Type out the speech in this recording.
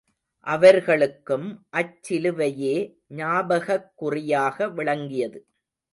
அவர்களுக்கும் அச்சிலுவையே ஞாபகக் குறியாக விளங்கியது.